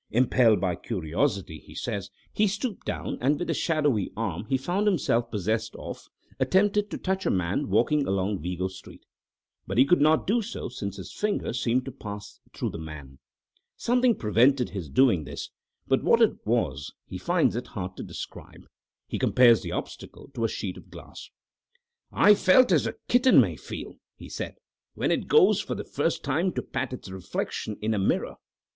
Impelled by curiosity, he says, he stooped down, and, with the shadowy arm he found himself possessed of, attempted to touch a man walking along Vigo Street. But he could not do so, though his finger seemed to pass through the man. Something prevented his doing this, but what it was he finds it hard to describe. He compares the obstacle to a sheet of glass. "I felt as a kitten may feel," he said, "when it goes for the first time to pat its reflection in a mirror."